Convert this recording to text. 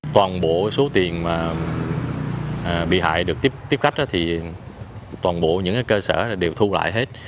toàn bộ số tiền bị hại được tiếp khách thì toàn bộ những cơ sở đều thu lại hết